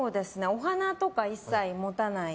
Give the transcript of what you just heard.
お花とか一切持たない。